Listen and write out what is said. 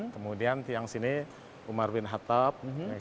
kemudian tiang sini umar bin hatap